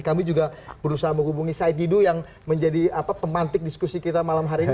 kami juga berusaha menghubungi said didu yang menjadi pemantik diskusi kita malam hari ini